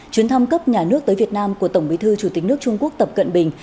chuyến thăm cấp nhà nước tới việt nam của tổng bí thư chủ tịch nước trung quốc tập cận bình